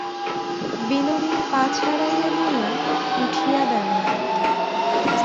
বিনোদিনী পা ছাড়াইয়া লইয়া উঠিয়া দাঁড়াইল।